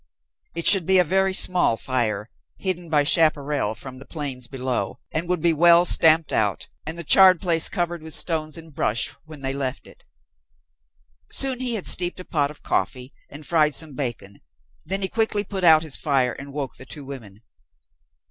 It should be a very small fire, hidden by chaparral from the plains below, and would be well stamped out and the charred place covered with stones and brush when they left it. Soon he had steeped a pot of coffee and fried some bacon, then he quickly put out his fire and woke the two women.